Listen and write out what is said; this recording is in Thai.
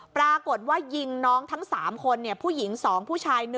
ปรากฏว่ายิงน้องทั้ง๓คนผู้หญิง๒ผู้ชาย๑